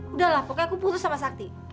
udahlah pokoknya aku putus sama sakti